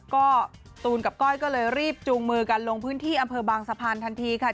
ก็ตูนกับก้อยก็เลยรีบจูงมือกันลงพื้นที่อำเภอบางสะพานทันทีค่ะ